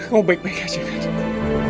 kamu baik baik saja rama